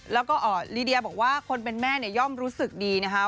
แล้วก็ลีเดียบอกว่าคนเป็นแม่เนี่ยย่อมรู้สึกดีนะคะ